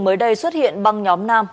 mới đây xuất hiện băng nhóm nam